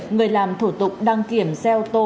người làm thủ tục đăng kiểm xe ô tô